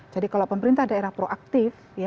jadi kalau pemerintah daerah proaktif